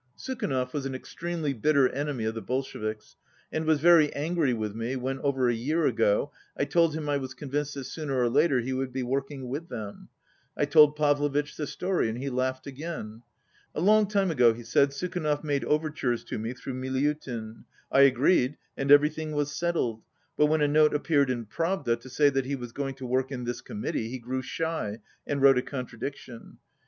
Sukhanov was an extremely bitter enemy of the Bolsheviks, and was very angry with me when, over a year ago, I told him I was convinced that sooner or later he would be working with them. I told Pavlovitch the story, and he laughed again. "A long time ago," he said, "Sukhanov made overtures to me through Miliutin. I agreed, and everything was settled, but when a note appeared in Pravda to say that he was going to work in this Committee, he grew shy, and wrote a contra diction.